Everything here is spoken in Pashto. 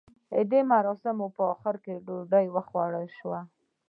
د مراسیمو په اخر کې ډوډۍ وخوړل شوه.